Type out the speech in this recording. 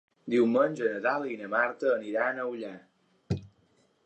Diumenge na Dàlia i na Marta aniran a Ullà.